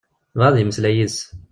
Yebɣa ad yemmeslay yid-s.